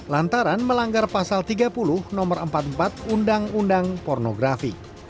dan melanggar pasal tiga puluh nomor empat puluh empat undang undang pornografi